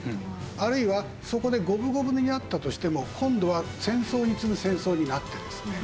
あるいはそこで五分五分になったとしても今度は戦争に次ぐ戦争になってですね